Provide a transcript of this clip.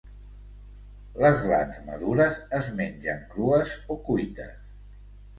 Les glans madures es mengen crues o cuites.